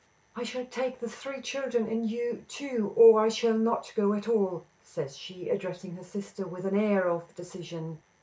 "I shall take the three children and you, too, or I shall not go at all," says she, addressing her sister with an air of decision.